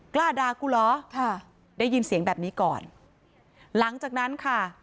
กล้าด่ากูเหรอค่ะได้ยินเสียงแบบนี้ก่อนหลังจากนั้นค่ะ